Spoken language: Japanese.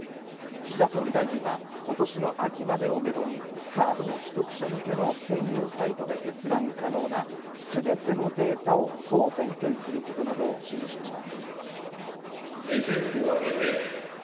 岸田総理大臣は、ことしの秋までをメドに、カードの取得者向けの専用サイトで閲覧可能なすべてのデータを総点検することなどを指示しました。